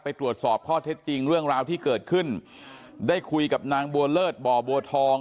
ตรวจสอบข้อเท็จจริงเรื่องราวที่เกิดขึ้นได้คุยกับนางบัวเลิศบ่อบัวทอง